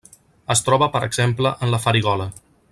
Es troba, per exemple, en la farigola.